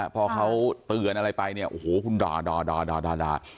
พอเขาเตือนอะไรไปโอ้โฮคุณด่า